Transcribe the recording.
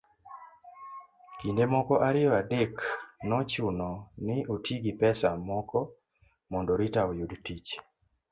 kinde moko ariyo adek nochuno ni oti gi pesa moko mondo Rita oyud tich